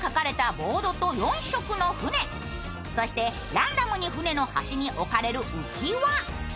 ランダムの船の端に置かれる浮き輪。